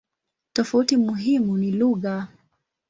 Tofauti muhimu ni lugha.